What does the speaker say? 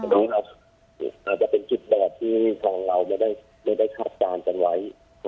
น้องอาจจะเป็นคิดแบบที่เราไม่ได้คาดการณ์กันไว้